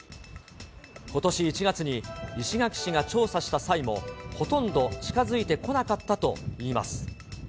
ことし１月に、石垣市が調査した際も、ほとんど近づいてこなかったといいます。